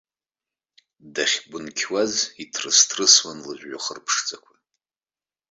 Дахьгәынқьуаз, иҭрыс-ҭрысуан лыжәҩахыр ԥшӡақәа.